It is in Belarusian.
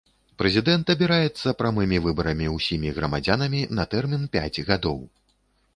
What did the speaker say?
Прэзідэнт абіраецца прамымі выбарамі ўсімі грамадзянамі на тэрмін пяць гадоў.